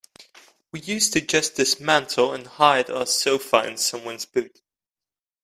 We used to just dismantle and hide our sofa in someone's boot.